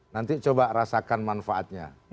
nanti coba rasakan manfaatnya